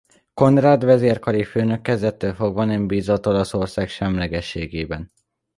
Conrad vezérkari főnök kezdettől fogva nem bízott Olaszország semlegességben.